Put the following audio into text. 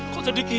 kok jadi gini sih